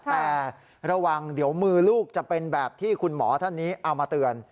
แต่ระวังเดี๋ยวมือลูกจะเป็นแบบที่คุณหมอท่านนี้เอามาเตือน